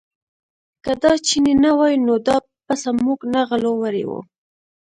که دا چینی نه وای نو دا پسه موږ نه غلو وړی و.